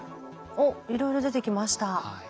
おっいろいろ出てきました。